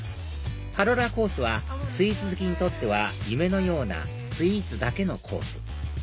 パロラコースはスイーツ好きにとっては夢のようなスイーツだけのコース